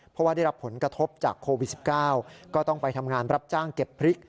เพราะว่าได้รับผลกระทบจากโควิด๑๙ก็ต้องไปทำงานรับจ้างเก็บพริก